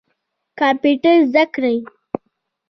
کمپیوټر زده کړئ